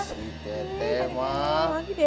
saya mau jempet jempetan aja